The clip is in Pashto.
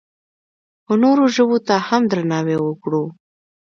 خو نورو ژبو ته هم درناوی وکړو.